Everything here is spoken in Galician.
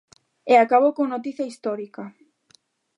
E acabou con noticia histórica.